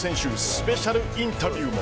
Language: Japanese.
スペシャルインタビューも。